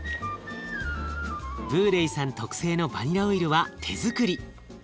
ブーレイさん特製のバニラオイルは手づくり。